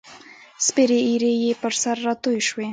سپیرې ایرې یې پر سر راتوی شوې